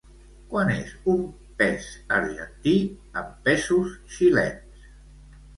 Quant és un peso argentí en pesos xilens?